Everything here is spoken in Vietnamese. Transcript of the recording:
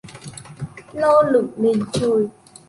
Lơ lửng nền trời